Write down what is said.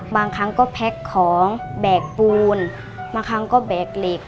บางครั้งก็แพ็คของแบกปูนบางครั้งก็แบกเหล็ก